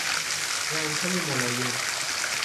رنگهای ملایم